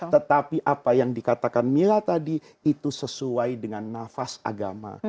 tetapi apa yang dikatakan mila tadi itu sesuai dengan nafas agama